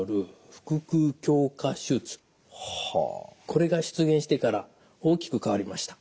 これが出現してから大きく変わりました。